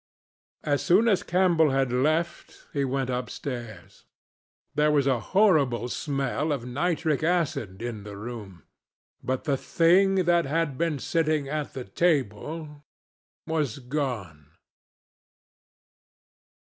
As soon as Campbell had left, he went upstairs. There was a horrible smell of nitric acid in the room. But the thing that had been sitting at the table was gone.